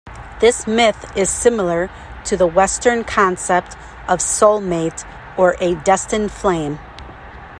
This myth is similar to the Western concept of soulmate or a destined flame.